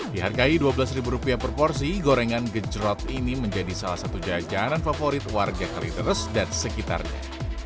dihargai dua belas per porsi gorengan gejrot ini menjadi salah satu jajanan favorit warga kalideres dan sekitarnya